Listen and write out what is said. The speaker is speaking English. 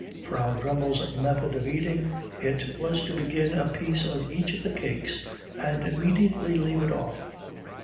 Frau Dremmel's method of eating it was to begin a piece of each of the cakes and immediately leave it off.